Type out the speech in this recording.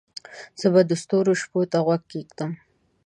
زه به د ستورو شپو ته غوږ کښېږدمه